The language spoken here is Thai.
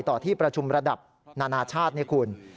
ที่ประชุมระดับนานาชาตินี่คุณ